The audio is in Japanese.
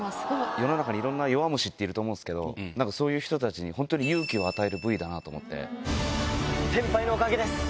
世の中にいろんな弱虫っていると思うんですけど、なんかそういう人たちに本当に勇気を与える先輩のおかげです。